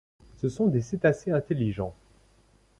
Ce sont des cétacés intelligents.